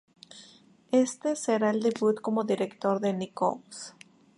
Este será el debut como director de Nichols.